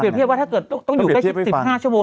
เทียบว่าถ้าเกิดต้องอยู่ใกล้๑๕ชั่วโมง